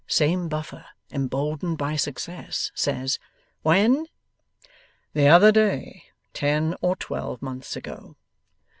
Same Buffer, emboldened by success, says: 'When?' 'The other day. Ten or twelve months ago.